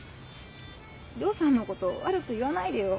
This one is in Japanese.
涼さんのこと悪く言わないでよ。